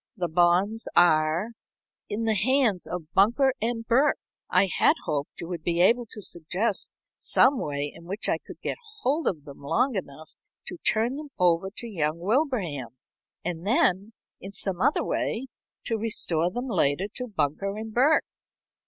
"The bonds are " "In the hands of Bunker & Burke. I had hoped you would be able to suggest some way in which I could get hold of them long enough to turn them over to young Wilbraham, and then, in some other way, to restore them later to Bunker & Burke."